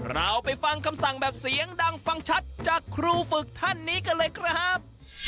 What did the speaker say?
เราไปฟังคำสั่งแบบเสียงดังฟังชัดจากครูฝึกท่านนี้กันเลยครับ